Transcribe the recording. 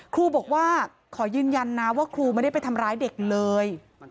ครูบอกว่าขอยืนยันนะว่าครูไม่ได้ไปทำร้ายเด็กเลย